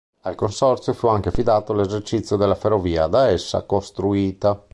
Al Consorzio fu anche affidato l'esercizio della ferrovia da esso costruita.